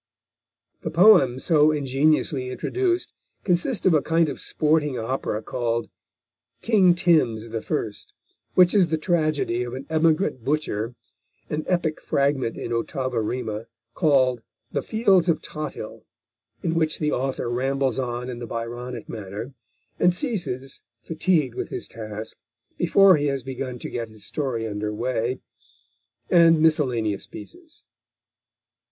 The poems so ingeniously introduced consist of a kind of sporting opera called King Tims the First, which is the tragedy of an emigrant butcher; an epic fragment in ottava rima, called The Fields of Tothill, in which the author rambles on in the Byronic manner, and ceases, fatigued with his task, before he has begun to get his story under weigh; and miscellaneous pieces.